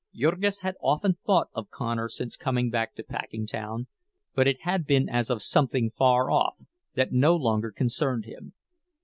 Jurgis had often thought of Connor since coming back to Packingtown, but it had been as of something far off, that no longer concerned him.